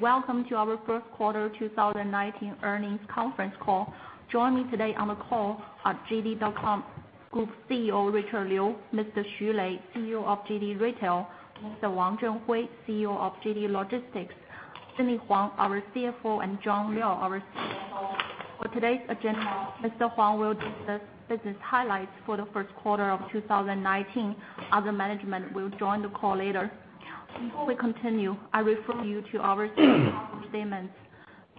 Welcome to our first quarter 2019 earnings conference call. Joining me today on the call are JD.com Group CEO, Richard Liu, Mr. Xu Lei, CEO of JD Retail, Mr. Wang Zhenhui, CEO of JD Logistics, Sidney Huang, our CFO, and Sidney Huang, our CFO. For today's agenda, Mr. Huang will discuss business highlights for the first quarter of 2019. Other management will join the call later. Before we continue, I refer you to our safe harbor statements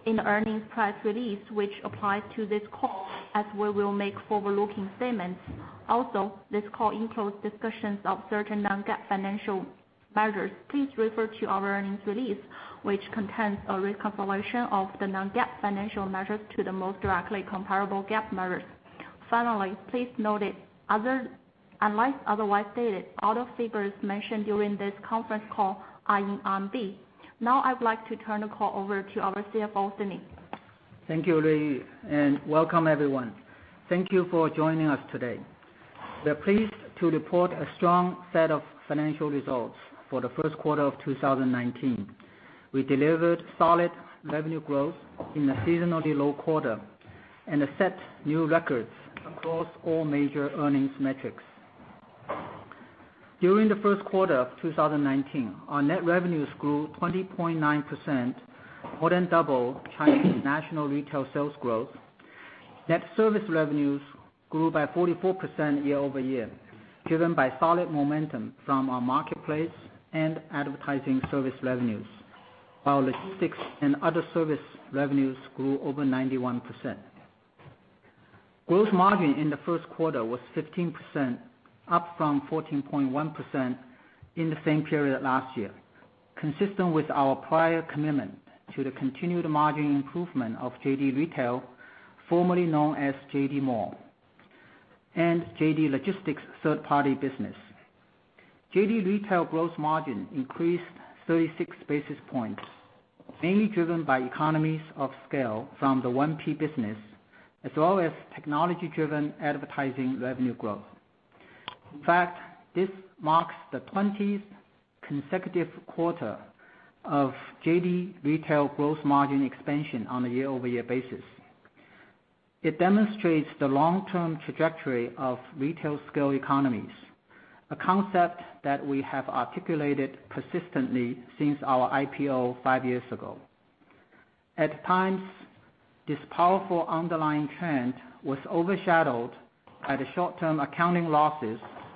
in the earnings press release, which applies to this call, as we will make forward-looking statements. Also, this call includes discussions of certain non-GAAP financial measures. Please refer to our earnings release, which contains a reconciliation of the non-GAAP financial measures to the most directly comparable GAAP measures. Finally, please note that unless otherwise stated, all the figures mentioned during this conference call are in RMB. I'd like to turn the call over to our CFO, Sidney. Thank you, Lei. Welcome everyone. Thank you for joining us today. We're pleased to report a strong set of financial results for the first quarter of 2019. We delivered solid revenue growth in a seasonally low quarter and set new records across all major earnings metrics. During the first quarter of 2019, our net revenues grew 20.9%, more than double Chinese national retail sales growth. Net service revenues grew by 44% year-over-year, driven by solid momentum from our marketplace and advertising service revenues, while logistics and other service revenues grew over 91%. Gross margin in the first quarter was 15%, up from 14.1% in the same period last year, consistent with our prior commitment to the continued margin improvement of JD Retail, formerly known as JD Mall, and JD Logistics' third-party business. JD Retail gross margin increased 36 basis points, mainly driven by economies of scale from the 1P business, as well as technology-driven advertising revenue growth. In fact, this marks the 20th consecutive quarter of JD Retail gross margin expansion on a year-over-year basis. It demonstrates the long-term trajectory of retail scale economies, a concept that we have articulated persistently since our IPO five years ago.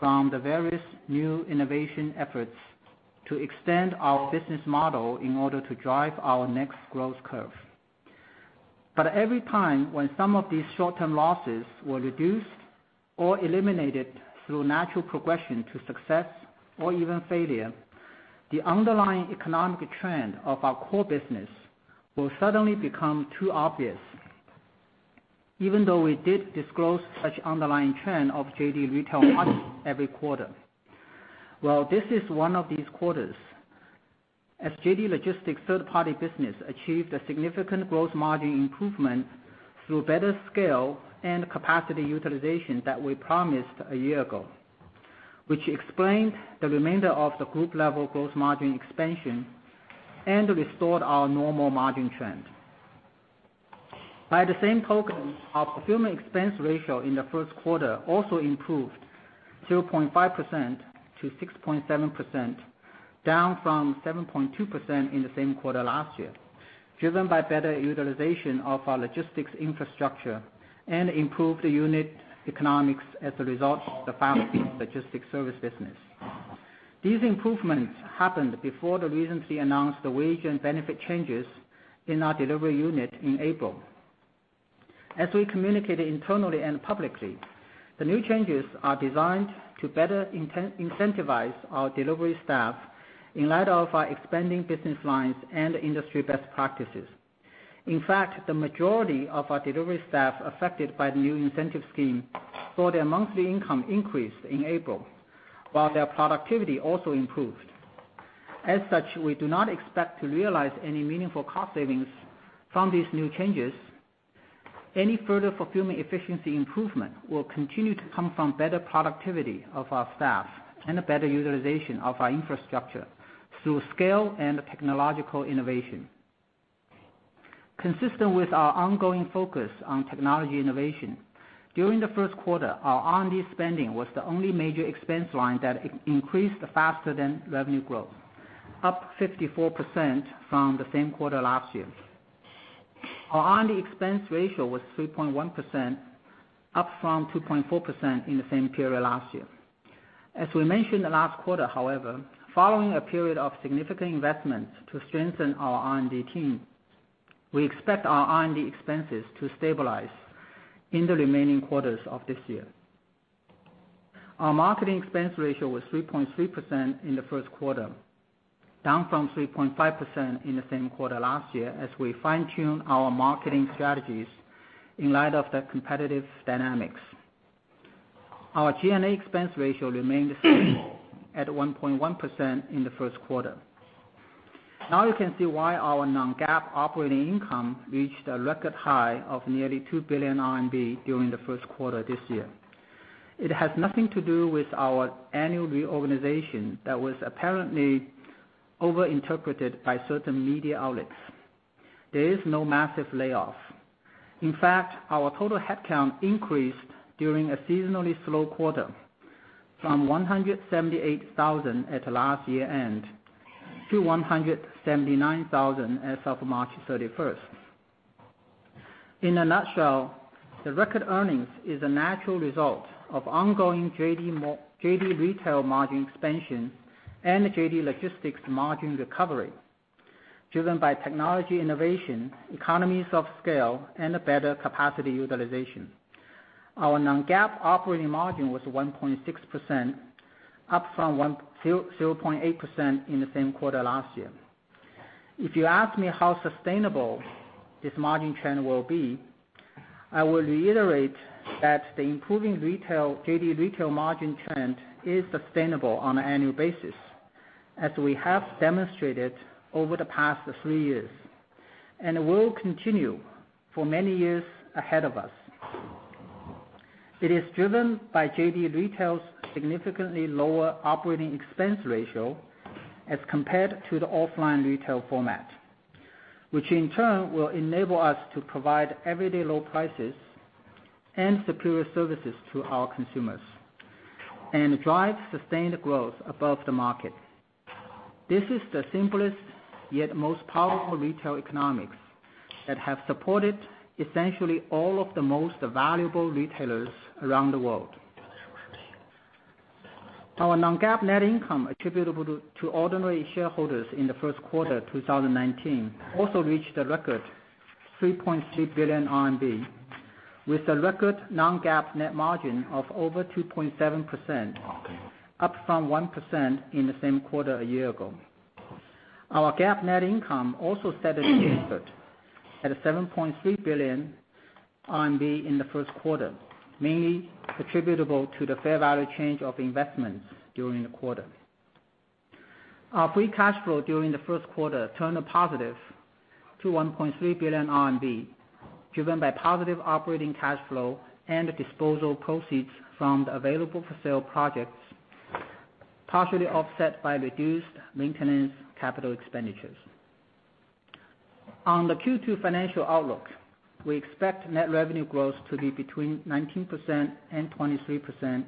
Every time when some of these short-term losses were reduced or eliminated through natural progression to success or even failure, the underlying economic trend of our core business will suddenly become too obvious, even though we did disclose such underlying trend of JD Retail every quarter. Well, this is one of these quarters, as JD Logistics' third-party business achieved a significant gross margin improvement through better scale and capacity utilization that we promised a year ago, which explained the remainder of the group-level gross margin expansion and restored our normal margin trend. By the same token, our fulfillment expense ratio in the first quarter also improved 0.5% to 6.7%, down from 7.2% in the same quarter last year, driven by better utilization of our logistics infrastructure and improved unit economics as a result of the logistics service business. These improvements happened before the recently announced wage and benefit changes in our delivery unit in April. As we communicated internally and publicly, the new changes are designed to better incentivize our delivery staff in light of our expanding business lines and industry best practices. In fact, the majority of our delivery staff affected by the new incentive scheme saw their monthly income increase in April, while their productivity also improved. We do not expect to realize any meaningful cost savings from these new changes. Any further fulfillment efficiency improvement will continue to come from better productivity of our staff and better utilization of our infrastructure through scale and technological innovation. Consistent with our ongoing focus on technology innovation, during the first quarter, our R&D spending was the only major expense line that increased faster than revenue growth, up 54% from the same quarter last year. Our R&D expense ratio was 3.1%, up from 2.4% in the same period last year. As we mentioned last quarter, however, following a period of significant investment to strengthen our R&D team, we expect our R&D expenses to stabilize in the remaining quarters of this year. Our marketing expense ratio was 3.3% in the first quarter, down from 3.5% in the same quarter last year as we fine-tune our marketing strategies in light of the competitive dynamics. Our G&A expense ratio remained at 1.1% in the first quarter. You can see why our non-GAAP operating income reached a record high of nearly 2 billion RMB during the first quarter this year. It has nothing to do with our annual reorganization that was apparently over-interpreted by certain media outlets. There is no massive layoff. In fact, our total headcount increased during a seasonally slow quarter from 178,000 at last year-end, to 179,000 as of March 31st. In a nutshell, the record earnings is a natural result of ongoing JD Retail margin expansion and JD Logistics margin recovery, driven by technology innovation, economies of scale, and better capacity utilization. Our non-GAAP operating margin was 1.6%, up from 0.8% in the same quarter last year. If you ask me how sustainable this margin trend will be, I will reiterate that the improving JD Retail margin trend is sustainable on an annual basis, as we have demonstrated over the past three years, and will continue for many years ahead of us. It is driven by JD Retail's significantly lower operating expense ratio as compared to the offline retail format, which in turn will enable us to provide everyday low prices and superior services to our consumers and drive sustained growth above the market. This is the simplest yet most powerful retail economics that have supported essentially all of the most valuable retailers around the world. Our non-GAAP net income attributable to ordinary shareholders in the first quarter 2019 also reached a record 3.3 billion RMB, with a record non-GAAP net margin of over 2.7%, up from 1% in the same quarter a year ago. Our GAAP net income also set a new record at 7.3 billion RMB in the first quarter, mainly attributable to the fair value change of investments during the quarter. Our free cash flow during the first quarter turned positive to 1.3 billion RMB, driven by positive operating cash flow and disposal proceeds from the available-for-sale projects, partially offset by reduced maintenance capital expenditures. On the Q2 financial outlook, we expect net revenue growth to be between 19% and 23%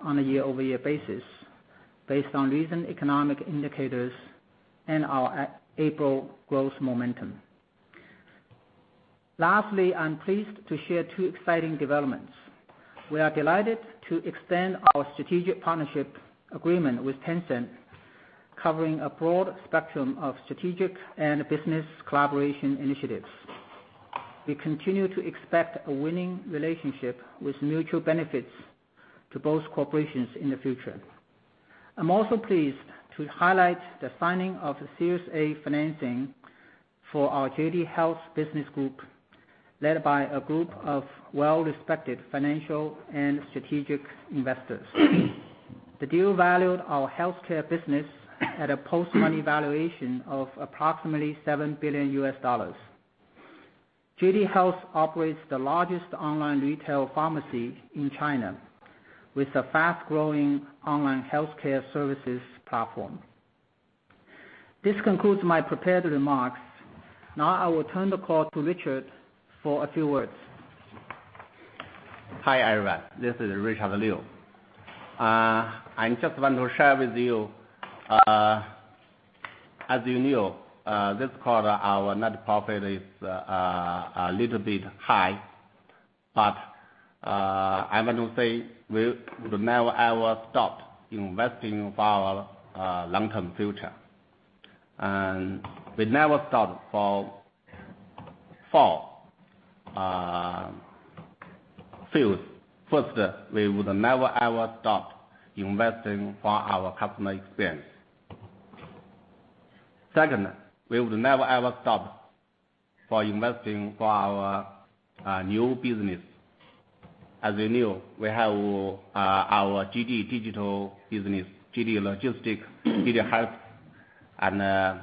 on a year-over-year basis, based on recent economic indicators and our April growth momentum. Lastly, I am pleased to share two exciting developments. We are delighted to extend our strategic partnership agreement with Tencent, covering a broad spectrum of strategic and business collaboration initiatives. We continue to expect a winning relationship with mutual benefits to both corporations in the future. I am also pleased to highlight the signing of the Series A financing for our JD Health business group, led by a group of well-respected financial and strategic investors. The deal valued our healthcare business at a post-money valuation of approximately $7 billion. JD Health operates the largest online retail pharmacy in China, with a fast-growing online healthcare services platform. This concludes my prepared remarks. Now I will turn the call to Richard for a few words. Hi, everyone. This is Richard Liu. I just want to share with you, as you know, this quarter, our net profit is a little bit high. I want to say, we would never, ever stop investing for our long-term future. We never stop for four fields. First, we would never, ever stop investing for our customer experience. Second, we would never, ever stop for investing for our new business. As you know, we have our JD Digits business, JD Logistics, JD Health, and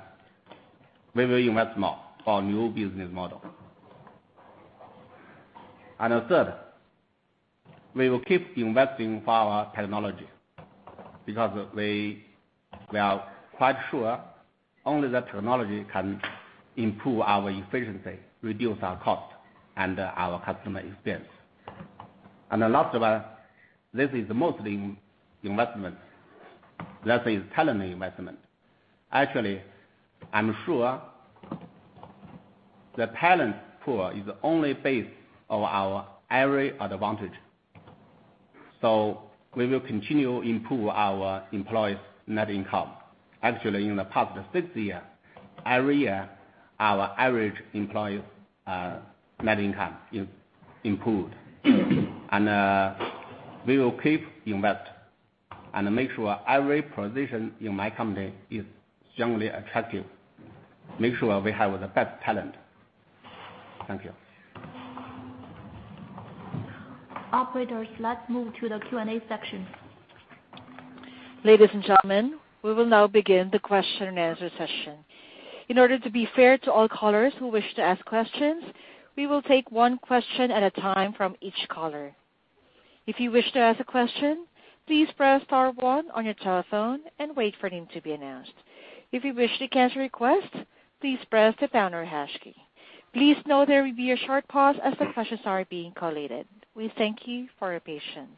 we will invest more for our new business model. Third, we will keep investing for our technology, because we are quite sure only the technology can improve our efficiency, reduce our cost, and our customer experience. Last one, this is mostly investment. That is talent investment. Actually, I'm sure the talent pool is only base of our every advantage. We will continue improve our employees' net income. Actually, in the past six years, every year, our average employee net income improved. We will keep invest and make sure every position in my company is strongly attractive, make sure we have the best talent. Thank you. Operator, let's move to the Q&A section. Ladies and gentlemen, we will now begin the question and answer session. In order to be fair to all callers who wish to ask questions, we will take one question at a time from each caller. If you wish to ask a question, please press star one on your telephone and wait for your name to be announced. If you wish to cancel your request, please press the pound or hash key. Please note there will be a short pause as the questions are being collated. We thank you for your patience.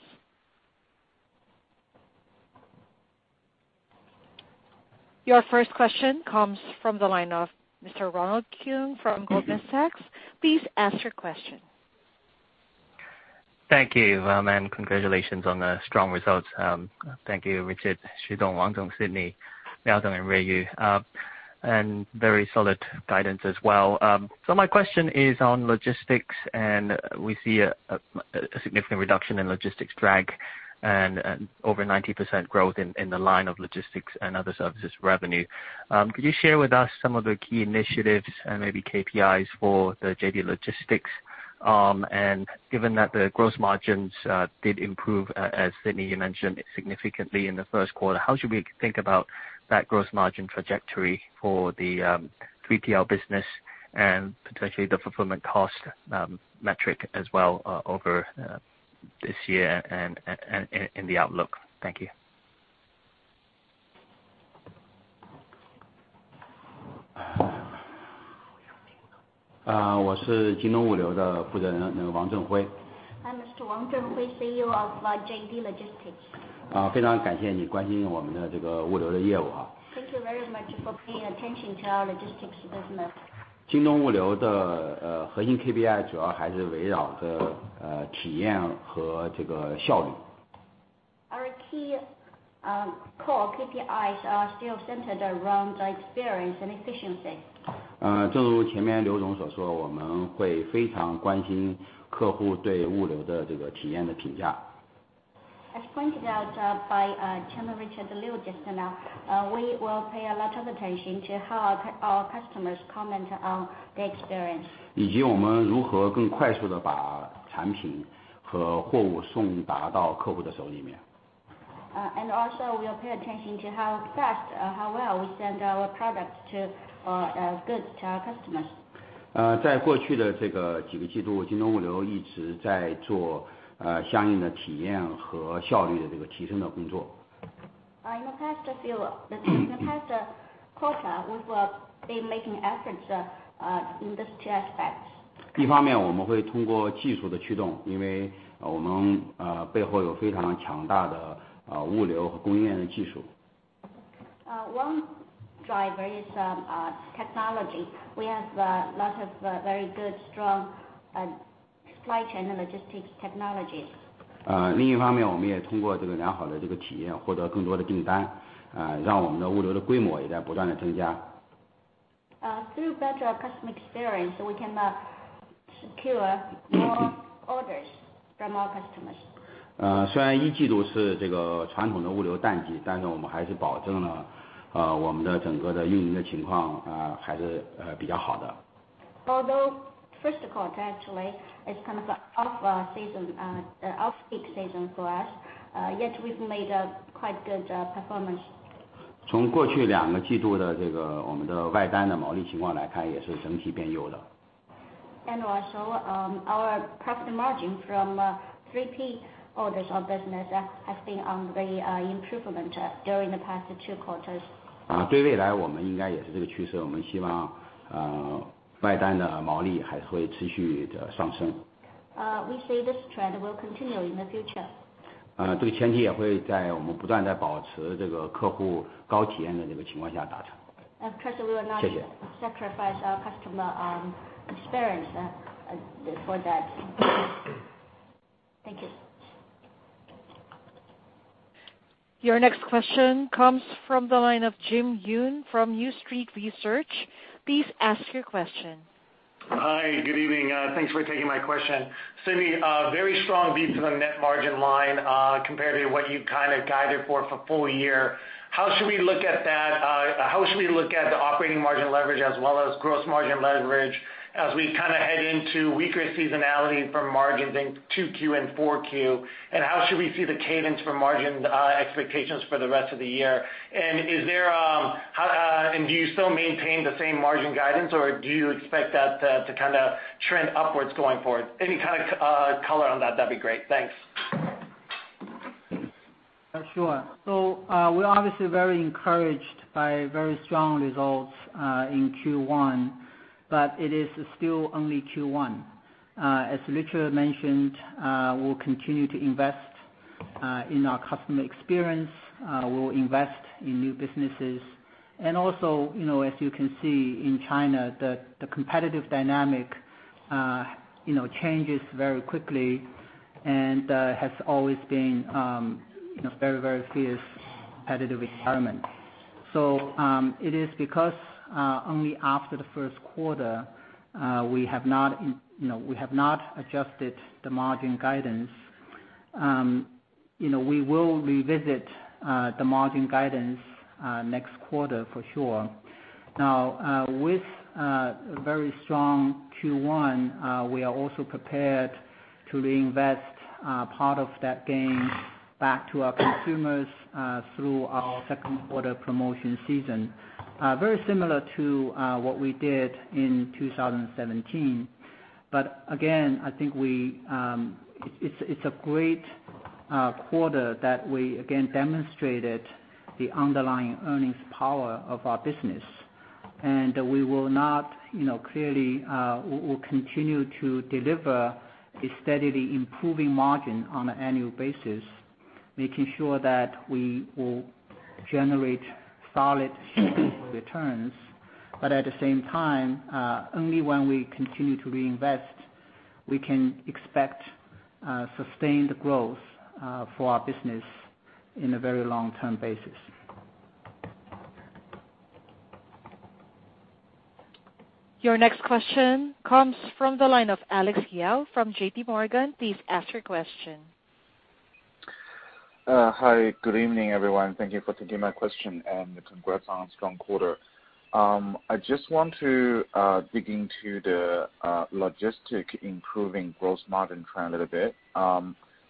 Your first question comes from the line of Mr. Ronald Keung from Goldman Sachs. Please ask your question. Thank you. Congratulations on the strong results. Thank you, Richard, Xu Dong, Wang Dong, Sidney, Miao Dong, and Lei Yu. Very solid guidance as well. My question is on logistics, and we see a significant reduction in logistics drag and over 90% growth in the line of logistics and other services revenue. Could you share with us some of the key initiatives and maybe KPIs for the JD Logistics? Given that the gross margins did improve, as Sidney, you mentioned, significantly in the first quarter, how should we think about that gross margin trajectory for the 3PL business and potentially the fulfillment cost metric as well over this year and in the outlook? Thank you. I'm Mr. Wang Zhenhui, CEO of JD Logistics. Thank you very much for paying attention to our logistics business. Our key core KPIs are still centered around experience and efficiency. As pointed out by Chairman Richard Liu just now, we will pay a lot of attention to how our customers comment on the experience. Also, we pay attention to how fast, how well we send our products to, or goods to our customers. In the past quarter, we've been making efforts in these two aspects. One driver is technology. We have lots of very good, strong supply chain and logistics technologies. Through better customer experience, we can secure more orders from our customers. Although first quarter actually is kind of a off-peak season for us, yet we've made a quite good performance. Our profit margin from 3P orders or business has been on the improvement during the past two quarters. We say this trend will continue in the future. Of course, we will not sacrifice our customer experience for that. Thank you. Your next question comes from the line of Jin Yoon from New Street Research. Please ask your question. Hi. Good evening. Thanks for taking my question. Sidney, very strong beat to the net margin line, compared to what you kind of guided for for full year. How should we look at the operating margin leverage as well as gross margin leverage as we head into weaker seasonality from margins in 2Q and 4Q? How should we see the cadence for margin expectations for the rest of the year? Do you still maintain the same margin guidance, or do you expect that to trend upwards going forward? Any kind of color on that? That'd be great. Thanks. Sure. We're obviously very encouraged by very strong results in Q1. It is still only Q1. As Richard mentioned, we'll continue to invest in our customer experience. We'll invest in new businesses. As you can see in China, the competitive dynamic changes very quickly and has always been very, very fierce competitive environment. It is because only after the first quarter, we have not adjusted the margin guidance. We will revisit the margin guidance next quarter for sure. Now, with a very strong Q1, we are also prepared to reinvest part of that gain back to our consumers through our second quarter promotion season. Very similar to what we did in 2017. Again, I think it's a great quarter that we again demonstrated the underlying earnings power of our business. We will continue to deliver a steadily improving margin on an annual basis, making sure that we will generate solid returns. At the same time, only when we continue to reinvest, we can expect sustained growth for our business in a very long-term basis. Your next question comes from the line of Alex Yao from JPMorgan. Please ask your question. Hi. Good evening, everyone. Thank you for taking my question, and congrats on a strong quarter. I just want to dig into the logistics improving gross margin trend a little bit.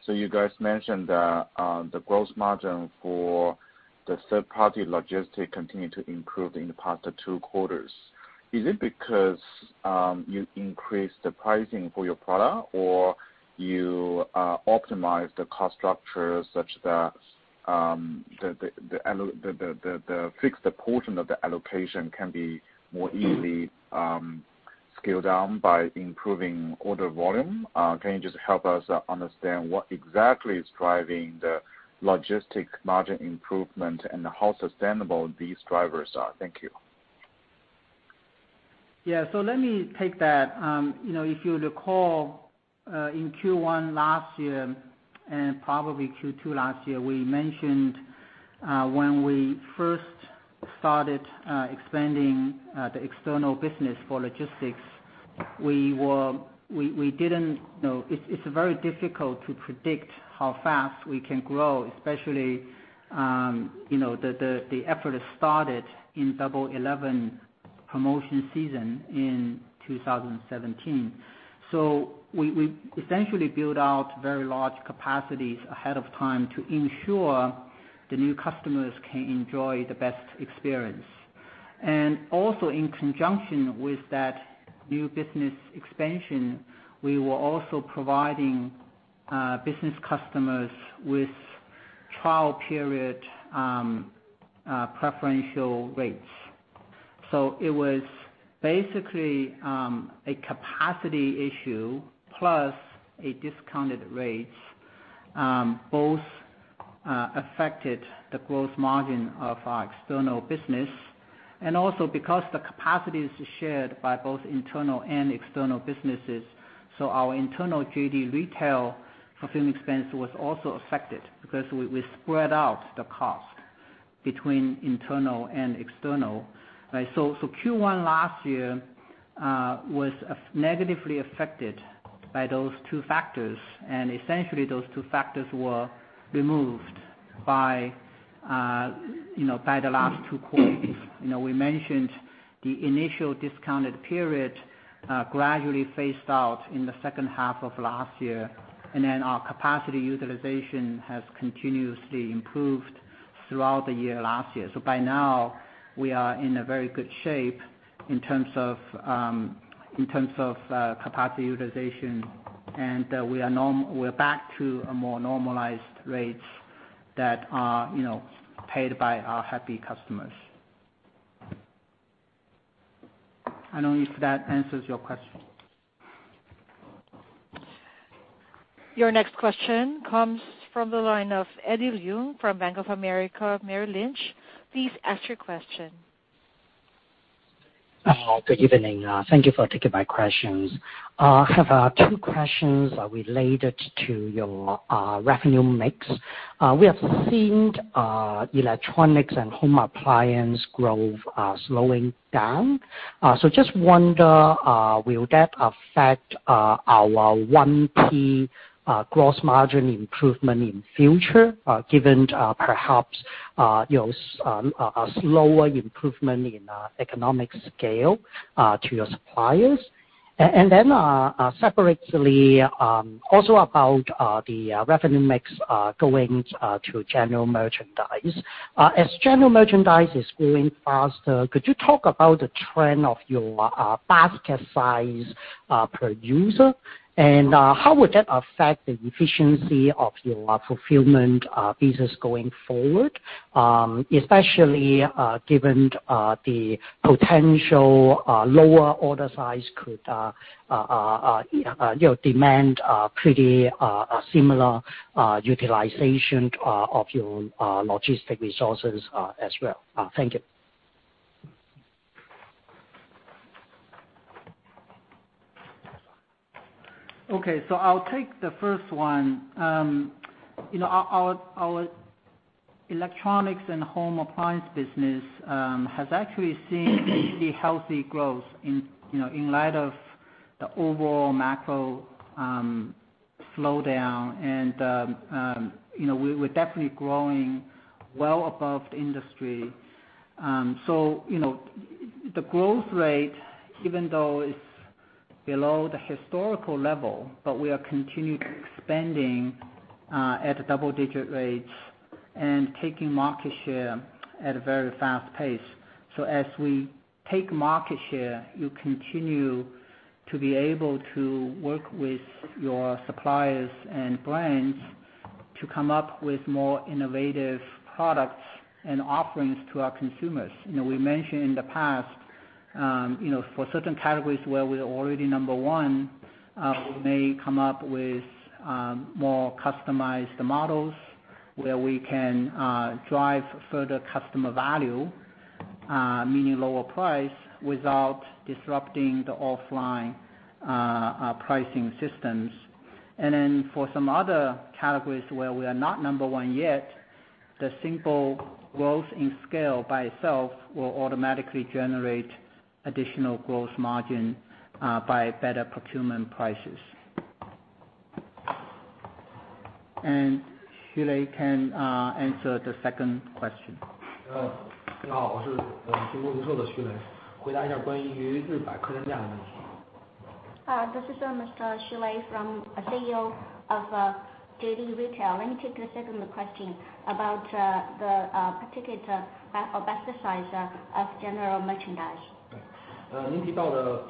You guys mentioned that the gross margin for the third-party logistics continued to improve in the past two quarters. Is it because you increased the pricing for your product, or you optimized the cost structure such that the fixed portion of the allocation can be more easily scaled down by improving order volume? Can you just help us understand what exactly is driving the logistics margin improvement and how sustainable these drivers are? Thank you. Yeah. Let me take that. If you recall, in Q1 last year and probably Q2 last year, we mentioned when we first started expanding the external business for logistics, it's very difficult to predict how fast we can grow, especially the effort started in Double 11 promotion season in 2017. We essentially build out very large capacities ahead of time to ensure the new customers can enjoy the best experience. Also in conjunction with that new business expansion, we were also providing business customers with trial period preferential rates. It was basically a capacity issue plus a discounted rates, both affected the gross margin of our external business. Also because the capacity is shared by both internal and external businesses, our internal JD Retail fulfillment expense was also affected because we spread out the cost between internal and external. Q1 last year was negatively affected by those two factors. Essentially those two factors were removed by the last two quarters. We mentioned the initial discounted period gradually phased out in the second half of last year. Our capacity utilization has continuously improved throughout the year last year. By now we are in a very good shape in terms of capacity utilization. We're back to a more normalized rates that are paid by our happy customers. I don't know if that answers your question. Your next question comes from the line of Eddie Leung from Bank of America Merrill Lynch. Please ask your question. Good evening. Thank you for taking my questions. I have two questions related to your revenue mix. We have seen electronics and home appliance growth slowing down. Just wonder, will that affect our 1P gross margin improvement in future, given perhaps slower improvement in economic scale to your suppliers? Separately, also about the revenue mix going to general merchandise. General merchandise is growing faster, could you talk about the trend of your basket size per user? How would that affect the efficiency of your fulfillment business going forward, especially given the potential lower order size could demand pretty similar utilization of your logistic resources as well? Thank you. Okay. I'll take the first one. Our Electronics and home appliance business has actually seen healthy growth in light of the overall macro slowdown. We're definitely growing well above the industry. The growth rate, even though it's below the historical level, we are continuing expanding at double-digit rates and taking market share at a very fast pace. As we take market share, you continue to be able to work with your suppliers and brands to come up with more innovative products and offerings to our consumers. We mentioned in the past, for certain categories where we're already number one, we may come up with more customized models where we can drive further customer value, meaning lower price without disrupting the offline pricing systems. For some other categories where we are not number one yet, the simple growth in scale by itself will automatically generate additional growth margin by better procurement prices. Xu Lei can answer the second question. This is Mr. Xu Lei, CEO of JD Retail. Let me take the second question about the particular or best size of general merchandise. The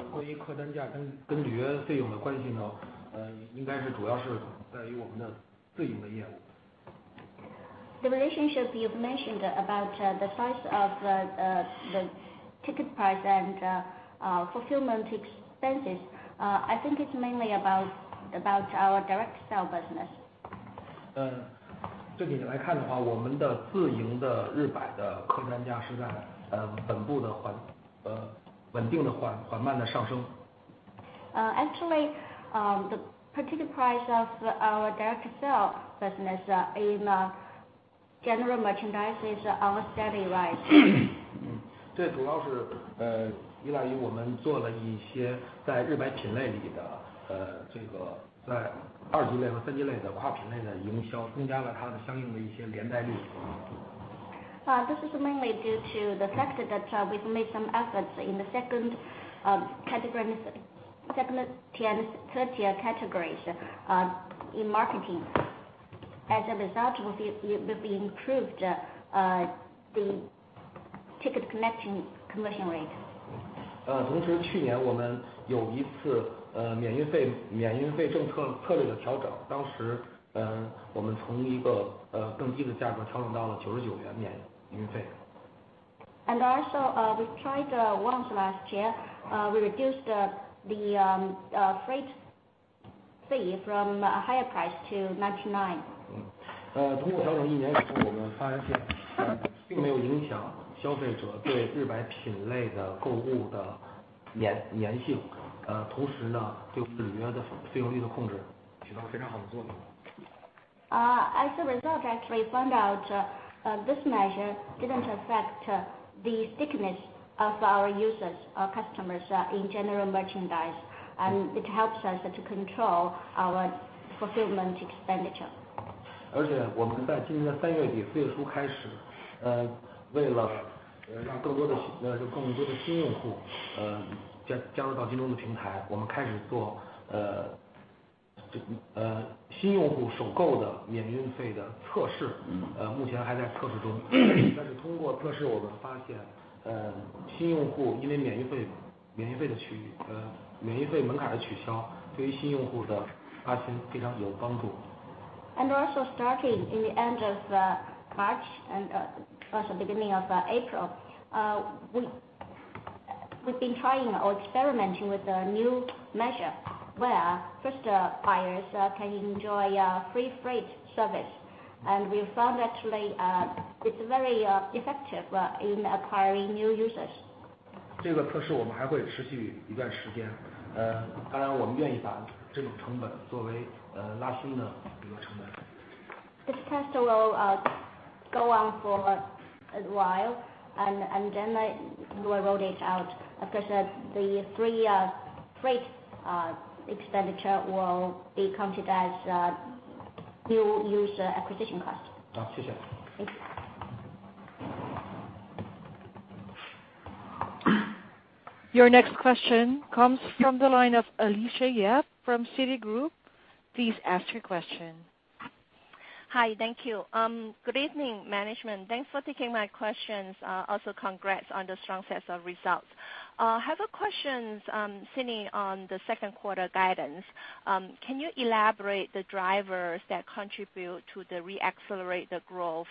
relationship you've mentioned about the size of the ticket price and fulfillment expenses, I think it's mainly about our direct sell business. Actually, the ticket price of our direct sell business in general merchandise is steadily rising. This is mainly due to the fact that we've made some efforts in the 2nd category, segment tier and 3rd tier categories in marketing. As a result, we've improved the ticket commissioning rate. Also, we tried once last year, we reduced the freight fee from a higher price to CNY 99. As a result, actually, we found out this measure didn't affect the thickness of our users, our customers in general merchandise, and it helps us to control our fulfillment expenditure. Starting in the end of March and also beginning of April, we've been trying or experimenting with a new measure where first buyers can enjoy free freight service. We found actually, it's very effective in acquiring new users. This test will go on for a while, we will roll this out. Of course, the free freight expenditure will be counted as a new user acquisition cost. Thank you. Your next question comes from the line of Alicia Yap from Citigroup. Please ask your question. Hi. Thank you. Good evening, management. Thanks for taking my questions. Also, congrats on the strong sets of results. I have a question sitting on the second quarter guidance. Can you elaborate the drivers that contribute to re-accelerate the growth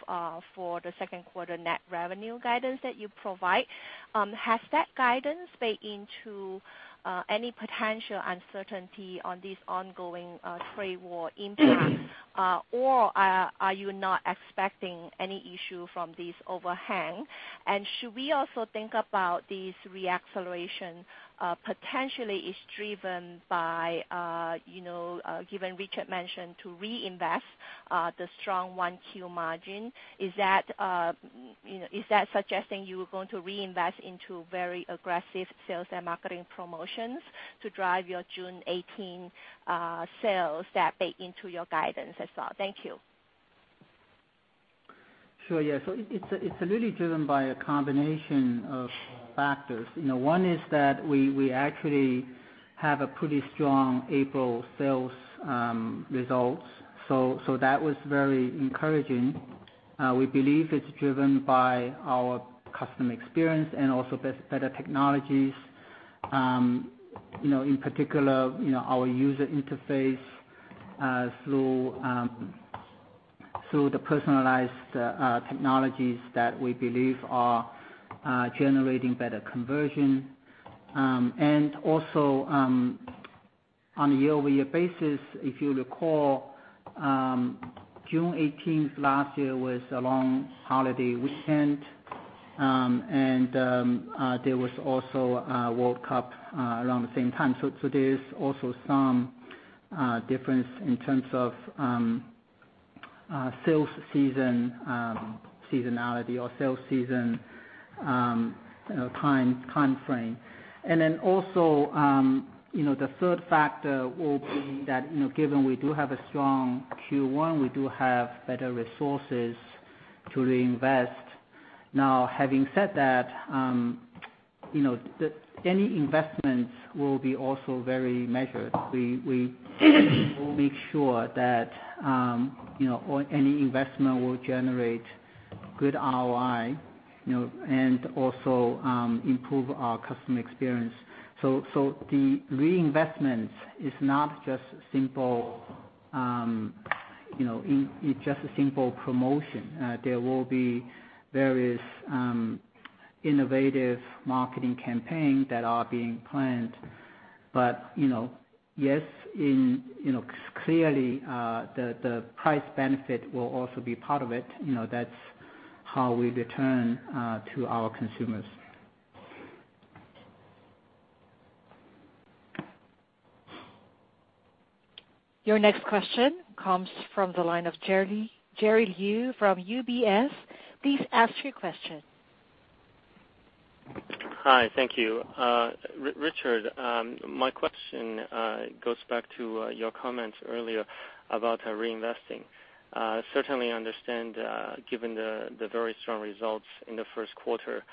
for the second quarter net revenue guidance that you provide? Has that guidance baked into any potential uncertainty on this ongoing trade war impact? Are you not expecting any issue from this overhang? Should we also think about this re-acceleration potentially is driven by, given Richard mentioned to reinvest the strong 1Q margin, is that suggesting you are going to reinvest into very aggressive sales and marketing promotions to drive your June 18 sales that bake into your guidance as well? Thank you. Sure. Yeah. It's really driven by a combination of factors. One is that we actually have a pretty strong April sales results. That was very encouraging. We believe it's driven by our customer experience and also better technologies. In particular, our user interface through the personalized technologies that we believe are generating better conversion. On a year-over-year basis, if you recall, June 18th last year was a long holiday weekend. There was also a World Cup around the same time. There's also some difference in terms of sales seasonality or sales season time frame. The third factor will be that, given we do have a strong Q1, we do have better resources to reinvest. Now, having said that, any investments will be also very measured. We will make sure that any investment will generate good ROI, and also improve our customer experience. The reinvestment is not just a simple promotion. There will be various innovative marketing campaigns that are being planned. Yes, clearly, the price benefit will also be part of it. That's how we return to our consumers. Your next question comes from the line of Jerry Liu from UBS. Please ask your question. Hi. Thank you. Richard, my question goes back to your comments earlier about reinvesting. Certainly understand given the very strong results in the first quarter,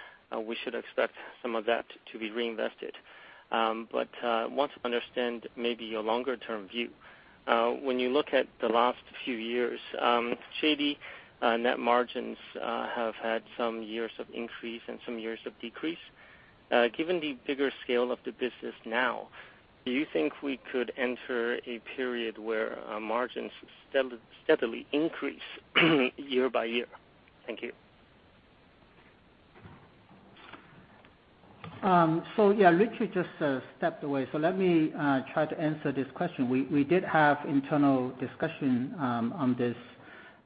we should expect some of that to be reinvested. I want to understand maybe your longer-term view. When you look at the last few years, JD net margins have had some years of increase and some years of decrease. Given the bigger scale of the business now, do you think we could enter a period where margins steadily increase year by year? Thank you. Yeah, Richard just stepped away. Let me try to answer this question. We did have internal discussion on this.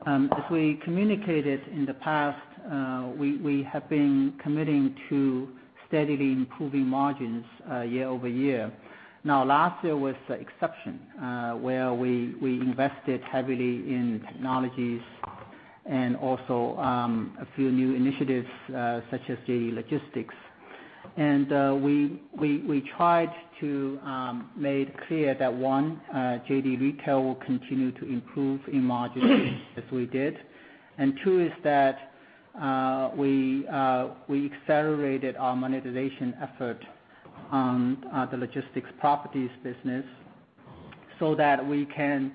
As we communicated in the past, we have been committing to steadily improving margins year-over-year. Last year was the exception, where we invested heavily in technologies and also a few new initiatives, such as JD Logistics. We tried to make clear that, one, JD Retail will continue to improve in margins as we did. Two is that, we accelerated our monetization effort on the logistics properties business so that we can,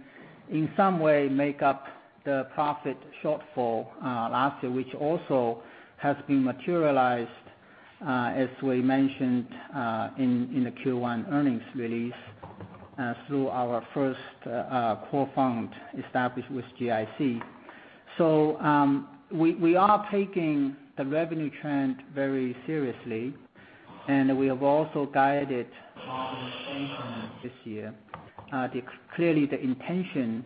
in some way, make up the profit shortfall last year, which also has been materialized, as we mentioned in the Q1 earnings release, through our first core fund established with GIC. We are taking the revenue trend very seriously, and we have also guided our intention this year. Clearly, the intention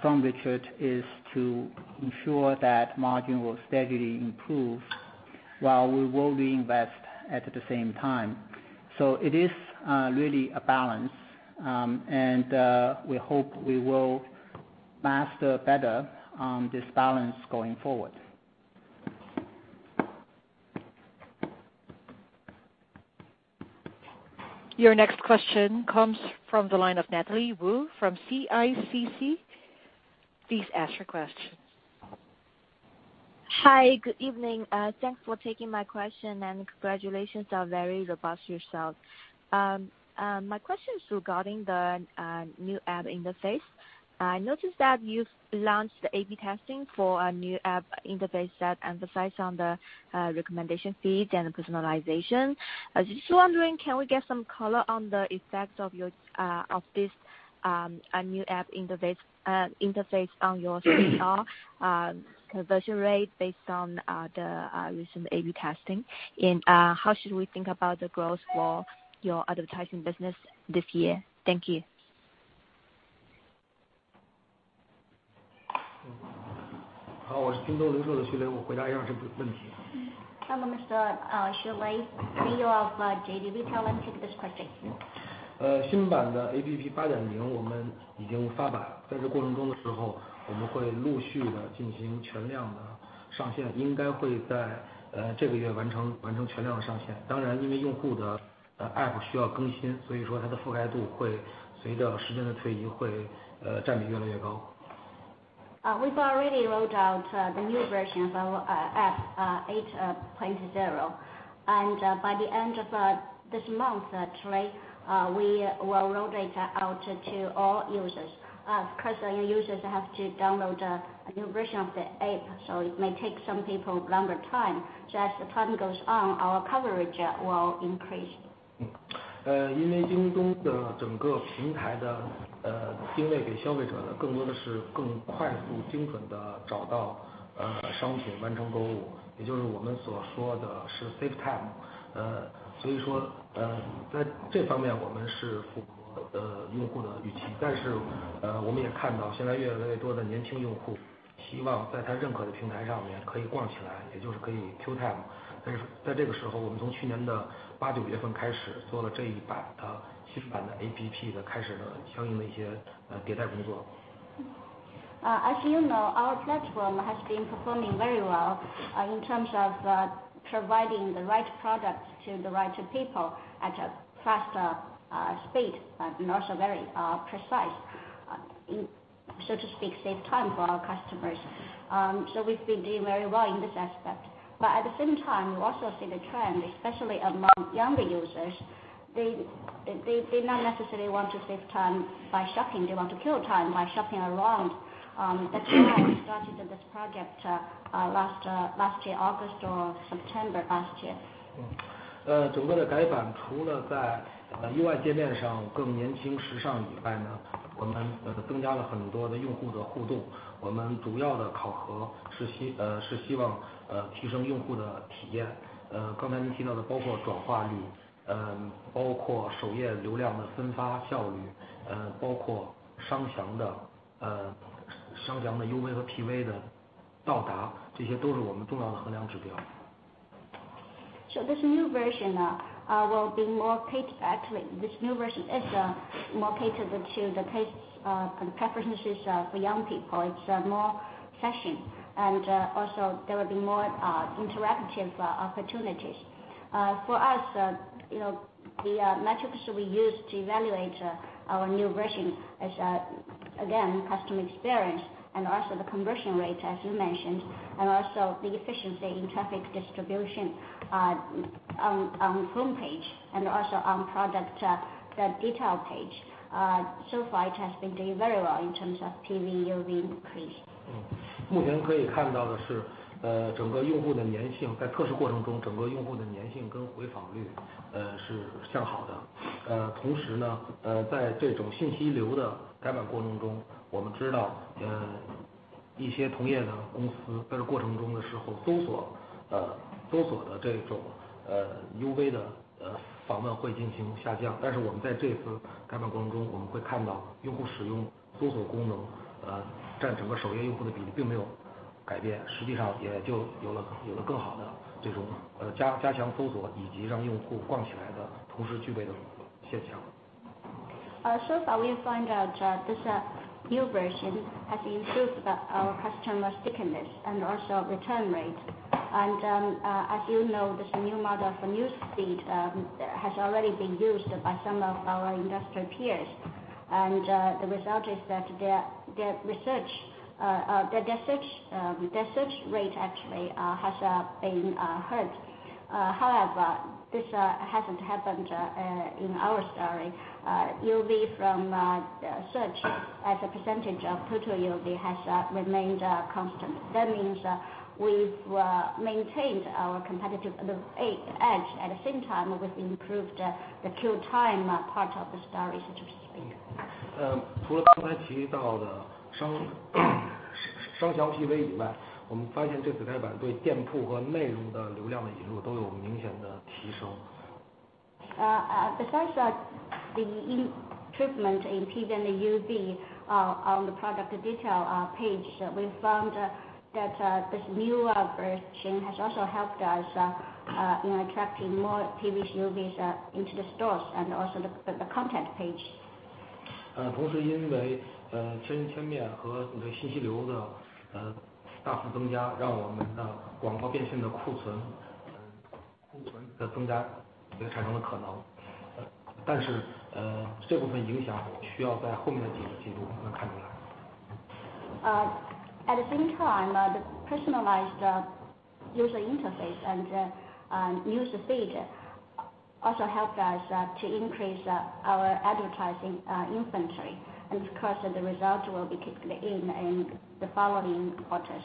from Richard is to ensure that margin will steadily improve while we will reinvest at the same time. It is really a balance. We hope we will master better this balance going forward. Your next question comes from the line of Natalie Wu from CICC. Please ask your question. Hi. Good evening. Thanks for taking my question, and congratulations on very robust results. My question is regarding the new app interface. I noticed that you've launched the A/B testing for a new app interface that emphasizes on the recommendation feed and personalization. I was just wondering, can we get some color on the effect of this new app interface on your CTR conversion rate based on the recent A/B testing? How should we think about the growth for your advertising business this year? Thank you. Mr. Xu Lei, CEO of JD Retail will take this question. We've already rolled out the new versions of our app 8.0. By the end of this month, actually, we will roll it out to all users. Of course, our users have to download a new version of the app, so it may take some people a longer time. As time goes on, our coverage will increase. 因为京东整个平台的定位给消费者更多的是更快速、精准地找到商品，完成购物，也就是我们所说的是save time。所以说，在这方面，我们是符合用户的预期。但是我们也看到现在越来越多的年轻用户希望在他任何的平台上面可以逛起来，也就是可以kill time。在这个时候，我们从去年的八、九月份开始做了这一版，70版的APP，开始相应的一些迭代工作。As you know, our platform has been performing very well in terms of providing the right products to the right people at a faster speed, and also very precise, so to speak, save time for our customers. We've been doing very well in this aspect. At the same time, we also see the trend, especially among younger users. They not necessarily want to save time by shopping, they want to kill time by shopping around. The time we started this project last year, August or September last year. 整个的改版除了在UI界面上更年轻时尚以外，我们增加了很多的用户的互动。我们主要的考核是希望提升用户的体验。刚才您提到的包括转化率，包括首页流量的分发效率，包括商城的UV和PV的到达，这些都是我们重要的衡量指标。This new version will be more catered. Actually, this new version is more catered to the tastes and preferences for young people. It's more fashion and also there will be more interactive opportunities. For us, the metrics we use to evaluate our new version is, again, customer experience and also the conversion rate, as you mentioned, and also the efficiency in traffic distribution on homepage and also on product detail page. So far it has been doing very well in terms of PV, UV increase. 目前可以看到的是，在测试过程中，整个用户的粘性跟回访率是向好的。同时在这种信息流的改版过程中，我们知道一些同业的公司在这过程中的时候，搜索的这种UV的访问会进行下降。但是我们在这次改版过程中，我们会看到用户使用搜索功能，占整个首页用户的比例并没有改变，实际上也就有了更好的这种加强搜索以及让用户逛起来的同时具备的现象。So far, we find out that this new version has improved our customer stickiness and also return rate. As you know, this new model for newsfeed has already been used by some of our industry peers. The result is that their search rate actually has been hurt. However, this hasn't happened in our story. UV from search as a percentage of total UV has remained constant. That means we've maintained our competitive edge. At the same time, we've improved the kill time part of the story, so to speak. 除了刚才提到的商场PV以外，我们发现这次改版对店铺和内容的流量的引入都有明显的提升。Besides the improvement in PV and the UV on the product detail page, we found that this new version has also helped us in attracting more PVs, UVs into the stores and also the content page. 同时，因为千人千面和信息流的大幅增加，让我们的广告变现的库存在增加，也产生了可能。但是这部分影响需要在后面的几个季度才能看出来。At the same time, the personalized user interface and newsfeed also helped us to increase our advertising inventory. Of course, the results will be kicked in in the following quarters.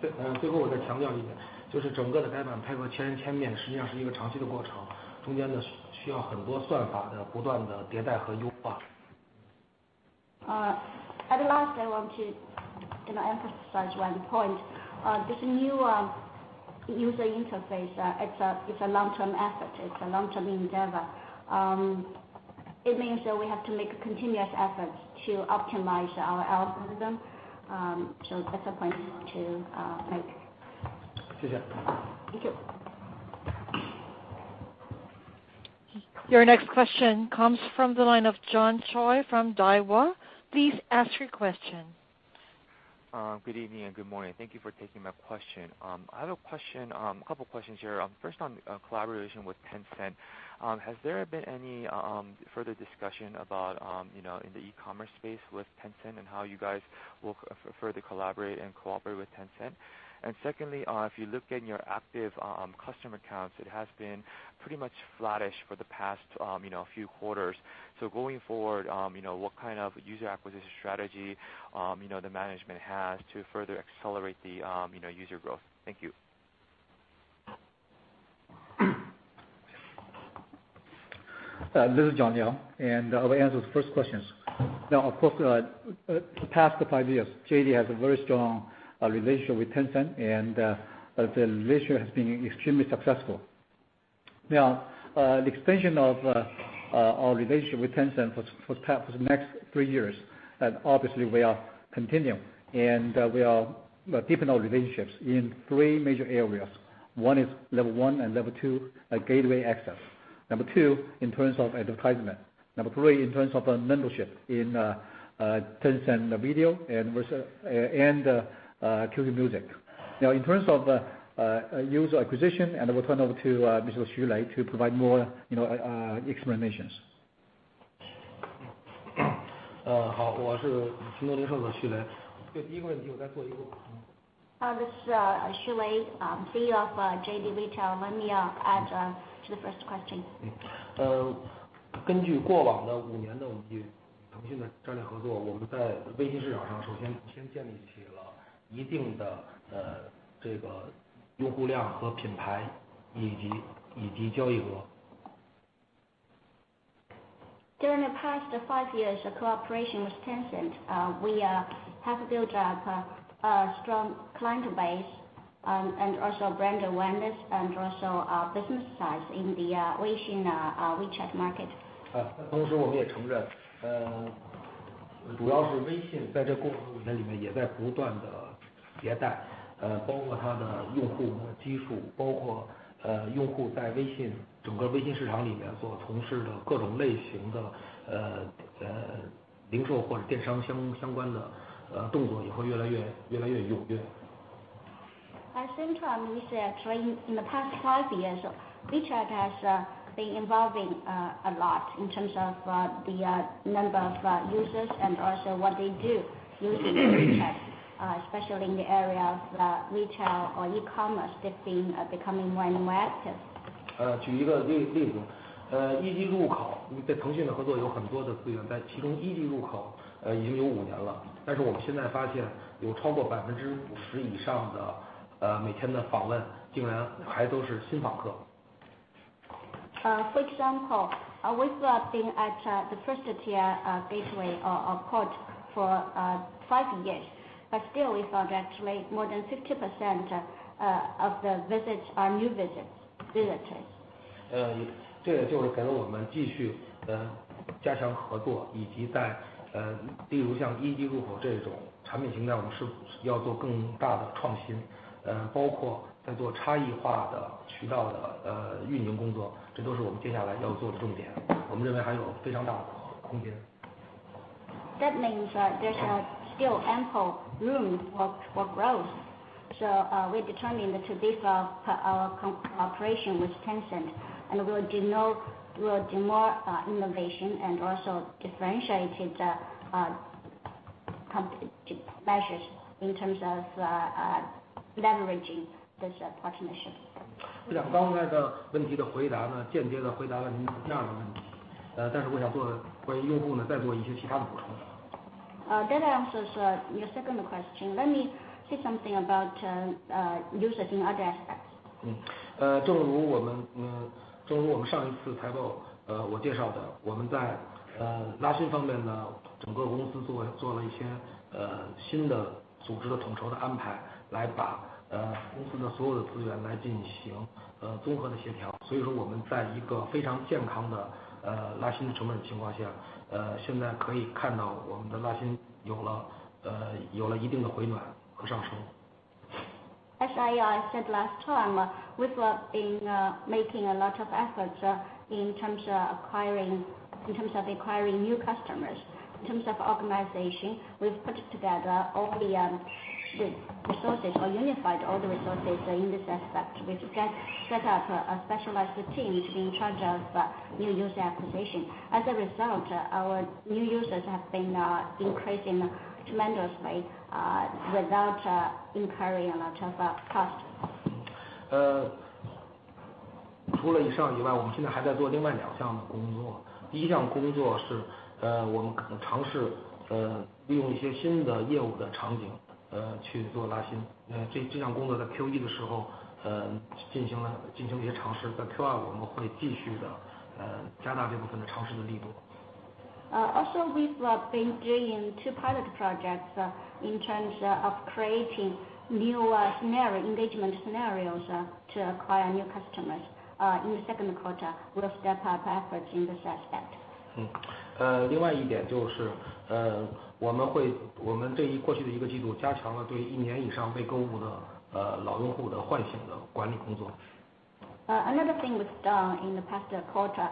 最后我再强调一点，就是整个的改版配合千人千面，实际上是一个长期的过程，中间需要很多算法的不断的迭代和优化。At last, I want to emphasize one point. This new user interface, it's a long-term effort. It's a long-term endeavor. It means that we have to make continuous efforts to optimize our algorithm. That's a point to make. 谢谢。Thank you. Your next question comes from the line of John Choi from Daiwa. Please ask your question. Good evening and good morning. Thank you for taking my question. I have a couple questions here. First on collaboration with Tencent. Has there been any further discussion about in the e-commerce space with Tencent and how you guys will further collaborate and cooperate with Tencent? Secondly, if you look in your active customer accounts, it has been pretty much flattish for the past few quarters. Going forward, what kind of user acquisition strategy the management has to further accelerate the user growth? Thank you. I will answer the first question. Of course, the past five years, JD has a very strong relationship with Tencent, and the relationship has been extremely successful. The extension of our relationship with Tencent for the next three years, obviously will continue, and we are deepening our relationships in three major areas. One is level 1 and level 2 gateway access. Number 2 in terms of advertisement. Number 3 in terms of membership in Tencent Video and QQ Music. In terms of user acquisition, I will turn over to Mr. Xu Lei to provide more explanations. Hi, this is Xu Lei, CEO of JD Retail. Let me add to the first question. During the past five years of cooperation with Tencent, we have built up a strong client base and also brand awareness and also our business size in the Weixin, WeChat Market. At the same time, we said during the past five years, WeChat has been evolving a lot in terms of the number of users and also what they do using WeChat, especially in the area of retail or e-commerce, that's been becoming more and more active. For example, we've been at the first-tier gateway port for five years, still we found actually more than 50% of the visits are new visitors. That means there's still ample room for growth. We're determined to deepen our cooperation with Tencent, we'll do more innovation and also differentiated competitive measures in terms of leveraging this partnership. That answers your second question. Let me say something about users in other aspects. As I said last time, we've been making a lot of efforts in terms of acquiring new customers. In terms of organization, we've put together all the resources or unified all the resources in this aspect. We've set up a specialized team to be in charge of new user acquisition. As a result, our new users have been increasing tremendously without incurring a lot of costs. Also, we've been doing two pilot projects in terms of creating new engagement scenarios to acquire new customers. In the second quarter, we'll step up efforts in this aspect. Another thing we've done in the past quarter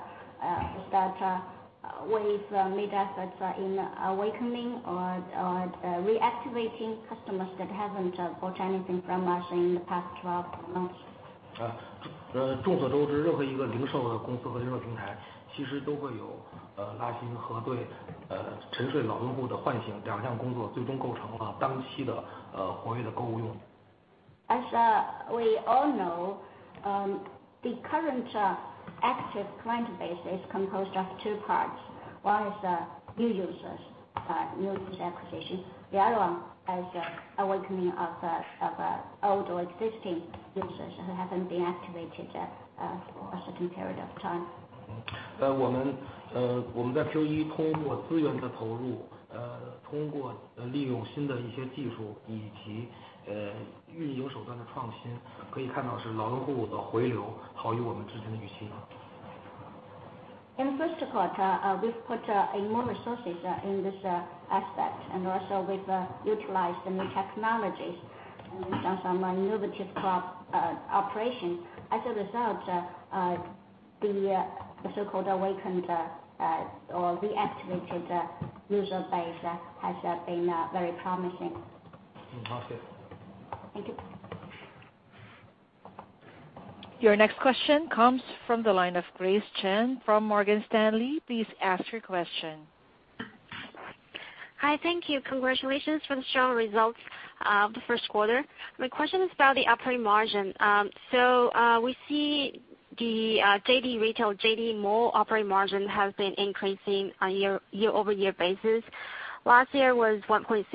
is that we've made efforts in awakening or reactivating customers that haven't bought anything from us in the past 12 months. As we all know, the current active client base is composed of two parts. One is new users acquisition. The other one is awakening of old or existing users who haven't been activated for a certain period of time. In the first quarter, we've put in more resources in this aspect, also we've utilized the new technologies, we've done some innovative operations. As a result, the so-called awakened or reactivated user base has been very promising. Okay. Thank you. Your next question comes from the line of Grace Chen from Morgan Stanley. Please ask your question. Hi. Thank you. Congratulations for the strong results of the first quarter. My question is about the operating margin. We see the JD Retail, JD Mall operating margin has been increasing on a year-over-year basis. Last year was 1.6%,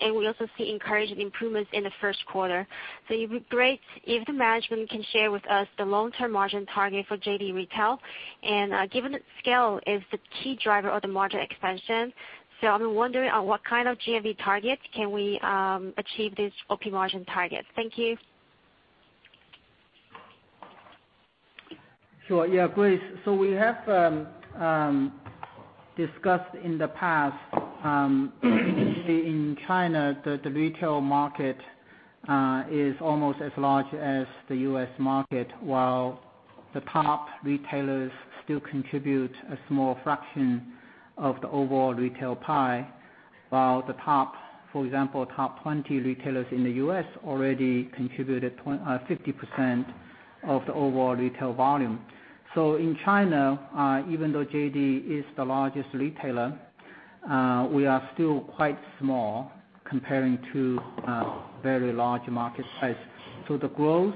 and we also see encouraging improvements in the first quarter. It'd be great if the management can share with us the long-term margin target for JD Retail. Given that scale is the key driver of the margin expansion, I'm wondering on what kind of GMV target can we achieve this OP margin target. Thank you. Sure. Yeah, Grace. We have discussed in the past in China, the retail market is almost as large as the U.S. market, while the top retailers still contribute a small fraction of the overall retail pie. While the top, for example, top 20 retailers in the U.S. already contributed 50% of the overall retail volume. In China, even though JD is the largest retailer, we are still quite small comparing to very large market size. The growth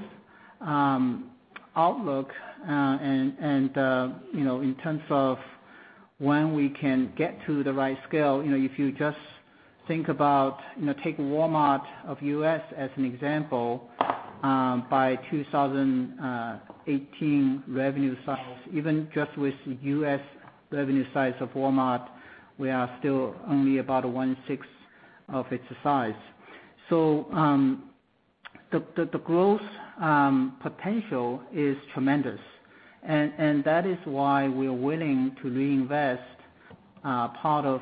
outlook, and in terms of when we can get to the right scale, if you just think about taking Walmart of U.S. as an example, by 2018 revenue size, even just with U.S. revenue size of Walmart, we are still only about one-sixth of its size. The growth potential is tremendous, and that is why we're willing to reinvest part of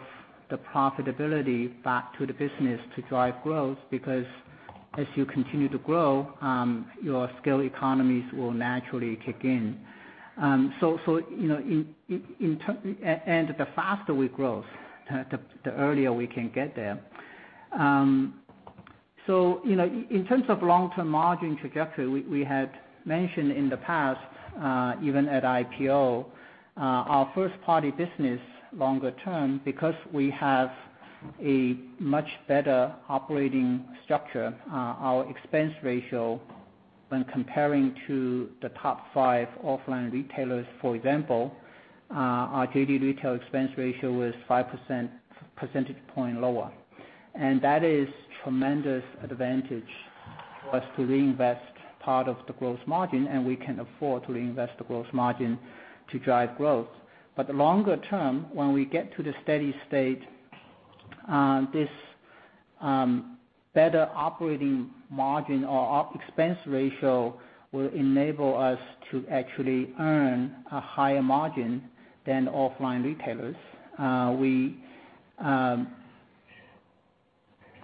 the profitability back to the business to drive growth because as you continue to grow, your scale economies will naturally kick in. The faster we grow, the earlier we can get there. In terms of long-term margin trajectory, we had mentioned in the past, even at IPO, our first-party business longer term, because we have a much better operating structure, our expense ratio when comparing to the top five offline retailers, for example, our JD Retail expense ratio was 5% percentage point lower. That is tremendous advantage for us to reinvest part of the gross margin, and we can afford to reinvest the gross margin to drive growth. Longer term, when we get to the steady state, this better operating margin or expense ratio will enable us to actually earn a higher margin than offline retailers.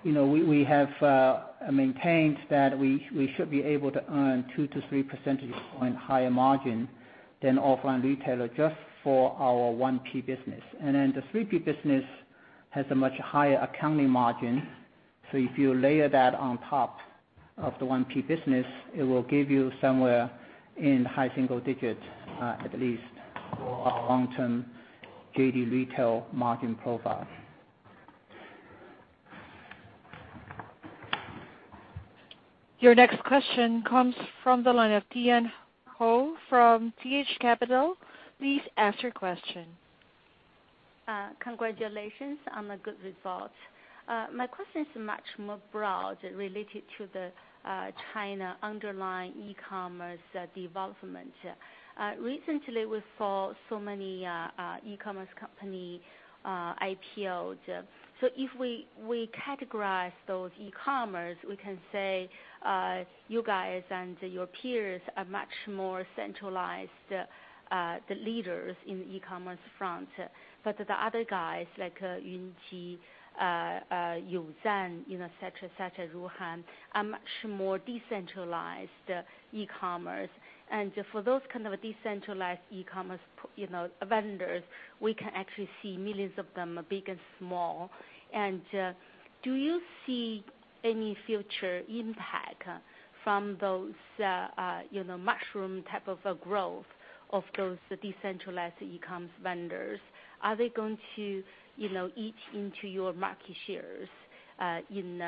We have maintained that we should be able to earn 2 to 3 percentage point higher margin than offline retailer just for our 1P business. Then the 3P business has a much higher accounting margin. If you layer that on top of the 1P business, it will give you somewhere in high single digit, at least, for our long-term JD Retail margin profile. Your next question comes from the line of Tian Hou from TH Capital. Please ask your question. Congratulations on the good results. My question is much more broad, related to the China underlying e-commerce development. Recently, we saw so many e-commerce company IPOs. If we categorize those e-commerce, we can say you guys and your peers are much more centralized, the leaders in the e-commerce front. The other guys, like Yunji, Youzan, such as Ruhnn, are much more decentralized e-commerce. For those kind of decentralized e-comm vendors, we can actually see millions of them, big and small. Do you see any future impact from those mushroom type of a growth of those decentralized e-comm vendors? Are they going to eat into your market shares in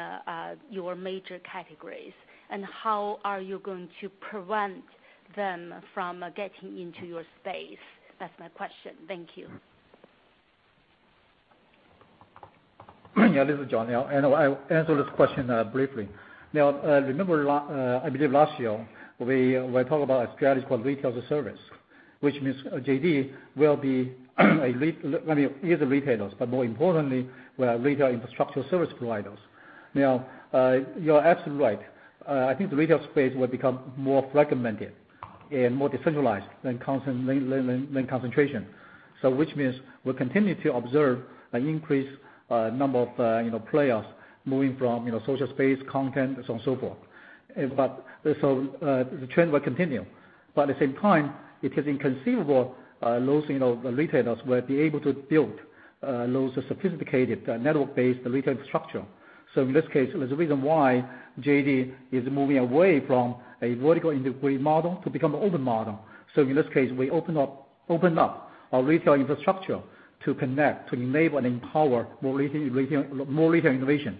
your major categories? And how are you going to prevent them from getting into your space? That's my question. Thank you. Yeah, this is John. I know. I'll answer this question briefly. Remember, I believe last year, we were talking about a strategy called Retail as a Service, which means JD will be either retailers, but more importantly, we are retail infrastructure service providers. You are absolutely right. I think the retail space will become more fragmented and more decentralized than concentration. Which means we'll continue to observe an increased number of players moving from social space, content, so on and so forth. The trend will continue. At the same time, it is inconceivable those retailers will be able to build those sophisticated network-based retail infrastructure. In this case, there's a reason why JD is moving away from a vertical integrated model to become an older model. In this case, we opened up our retail infrastructure to connect, to enable and empower more retail innovation.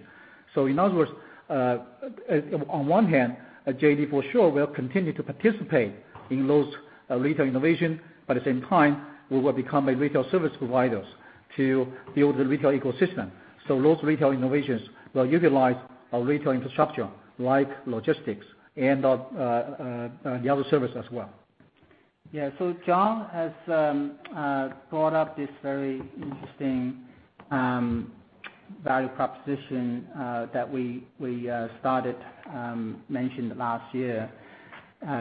In other words, on one hand, JD for sure will continue to participate in those retail innovation. At the same time, we will become a retail service providers to build the retail ecosystem. Those retail innovations will utilize our retail infrastructure, like logistics and the other service as well. Yeah. Sidney has brought up this very interesting value proposition that we started mentioning last year,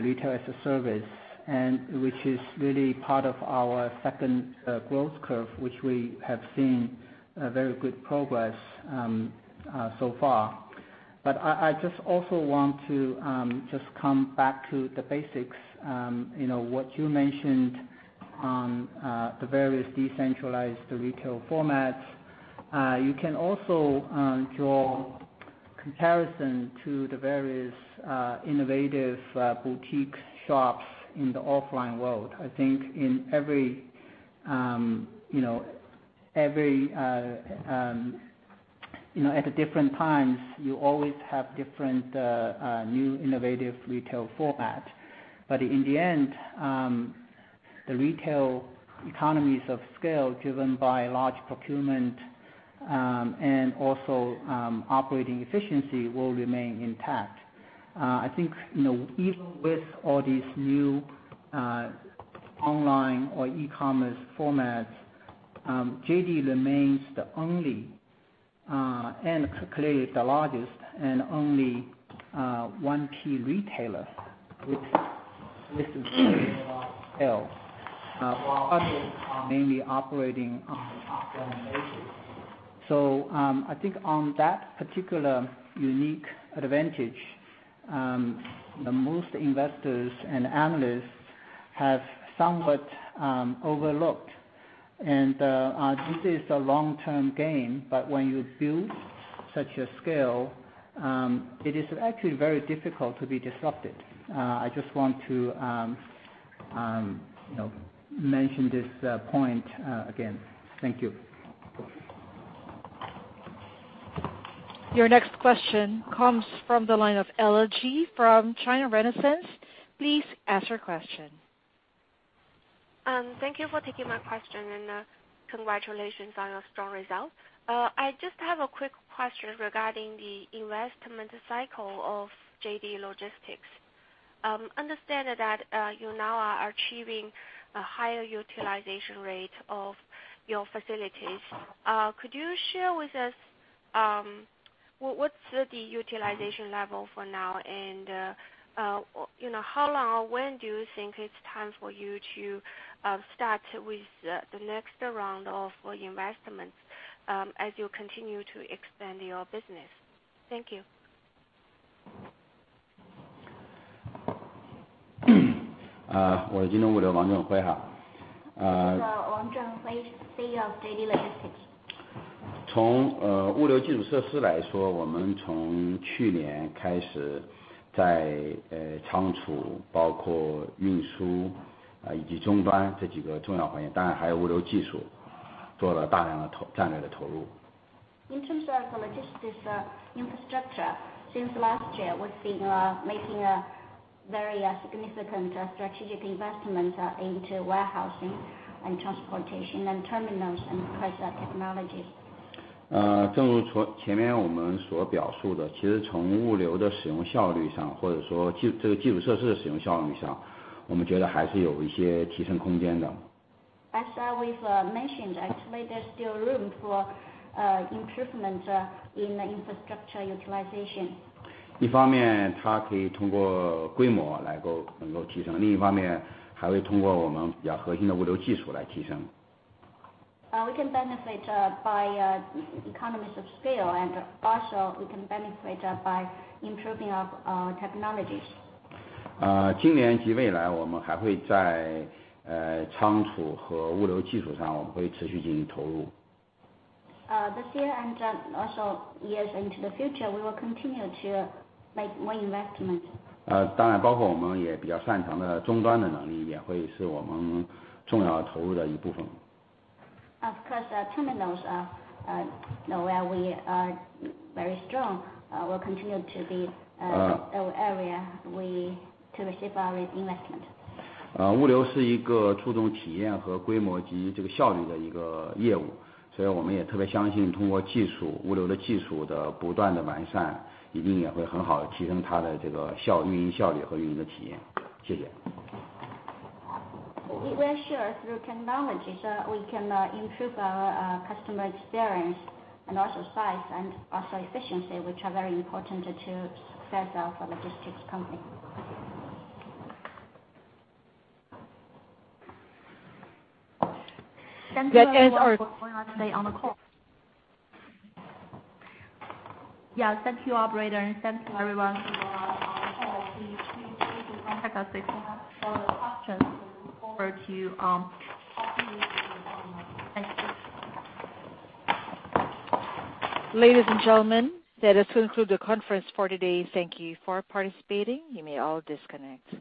Retail as a Service, and which is really part of our second growth curve, which we have seen very good progress so far. But I just also want to just come back to the basics. What you mentioned on the various decentralized retail formats. You can also draw comparison to the various innovative boutique shops in the offline world. I think at different times, you always have different new innovative retail format. But in the end, the retail economies of scale driven by large procurement, and also operating efficiency will remain intact. I think even with all these new online or e-commerce formats, JD remains the only and clearly the largest and only 1P retailer with significant scale, while others are mainly operating on the 3P operation. I think on that particular unique advantage, most investors and analysts have somewhat overlooked. This is a long-term game, but when you build such a scale, it is actually very difficult to be disrupted. I just want to mention this point again. Thank you. Your next question comes from the line of Ella Ji from China Renaissance. Please ask your question. Thank you for taking my question, congratulations on your strong results. I just have a quick question regarding the investment cycle of JD Logistics. Understand that you now are achieving a higher utilization rate of your facilities. Could you share with us what's the utilization level for now? How long or when do you think it's time for you to start with the next round of investments as you continue to expand your business? Thank you. This is Wang Zhenhui, CEO of JD Logistics. In terms of logistics infrastructure, since last year, we've been making very significant strategic investments into warehousing and transportation and terminals and technologies. 正如前面我们所表述的，其实从物流的使用效率上，或者说这个基础设施使用效率上，我们觉得还是有一些提升空间的。As we've mentioned, actually, there's still room for improvement in infrastructure utilization. 一方面，它可以通过规模来能够提升，另一方面，还会通过我们比较核心的物流技术来提升。We can benefit by economies of scale, and also we can benefit by improving our technologies. 今年及未来，我们还会在仓储和物流技术上持续进行投入。This year and also years into the future, we will continue to make more investments. 当然包括我们也比较擅长的终端的能力，也会是我们重要投入的一部分。Of course, terminals, where we are very strong, will continue to be an area to receive our investment. 物流是一个注重体验和规模及效率的一个业务，所以我们也特别相信通过物流的技术的不断地完善，一定也会很好地提升它的运营效率和运营的体验。谢谢。We are sure through technologies, we can improve our customer experience and also size and also efficiency, which are very important to success of logistics company. Thank you everyone for joining us today on the call. Thank you, operator, and thank you everyone for joining our call. Please feel free to contact us if you have further questions. We look forward to helping you. Thank you. Ladies and gentlemen, that is going to conclude the conference for today. Thank you for participating. You may all disconnect.